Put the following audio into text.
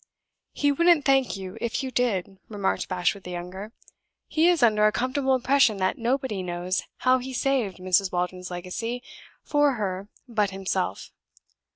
"He wouldn't thank you, if you did," remarked Bashwood the younger. "He is under a comfortable impression that nobody knows how he saved Mrs. Waldron's legacy for her but himself."